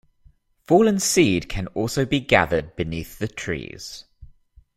Fallen seed can also be gathered beneath the trees.